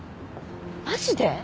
マジで？